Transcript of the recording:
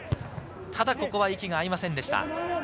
ただ息が合いませんでした。